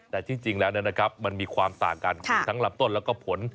แต่ที่จริงแล้วมันมีความต่างกันคือทั้งลำต้นแล้วก็ผล